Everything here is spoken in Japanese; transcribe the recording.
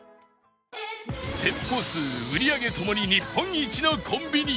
店舗数売り上げ共に日本一のコンビニ